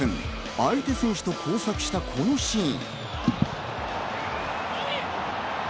相手選手と交錯した、このシーン。